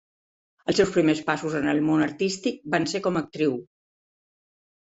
Els seus primers passos en el món artístic varen ser com a actriu.